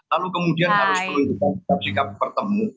lalu kemudian harus menunjukkan sikap sikap bertemu